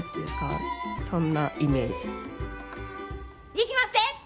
いきまっせ！